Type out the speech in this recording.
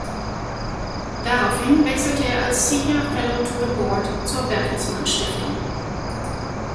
Daraufhin wechselte er als „Senior Fellow to the Board“ zur Bertelsmann Stiftung.